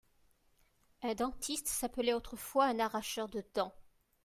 Un dentiste s'appelait autrefois un arracheur de dent